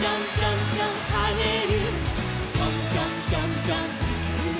「ぴょんぴょんぴょんぴょんちきゅうを」